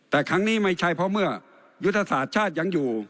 แต่ครั้งนี้ไม่ใช่เพราะเมื่อยุทธศาสตร์ชาติยังอยู่